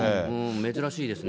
珍しいですね。